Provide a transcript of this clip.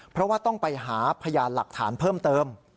เพราะว่าต้องไปหาพยานหลักฐานเพิ่มเติม